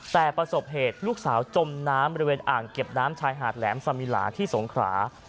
แต่ประสบเหตุลูกสาวจมน้ำบริเวณอ่างเก็บน้ำชายหาดแหลมสมิลาที่สงขรา